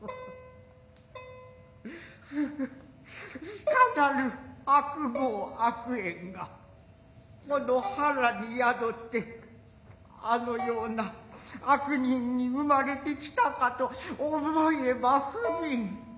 いかなる悪業悪縁がこの腹に宿ってあのような悪人に生まれてきたかと思えば不愍。